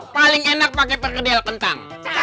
paling enak pakai perkedel kentang